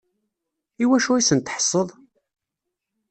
Iwacu i sent-tḥesseḍ?